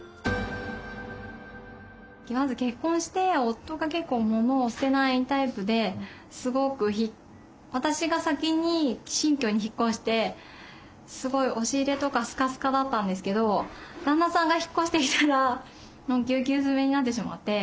まず結婚して夫が結構モノを捨てないタイプで私が先に新居に引っ越してすごい押し入れとかスカスカだったんですけど旦那さんが引っ越してきたらもうぎゅうぎゅう詰めになってしまって。